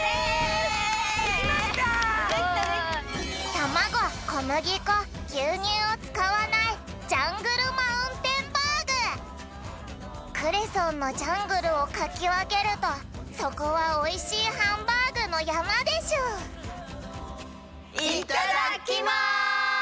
卵・小麦粉・牛乳を使わないクレソンのジャングルをかきわけるとそこはおいしいハンバーグの山でしゅいただきます！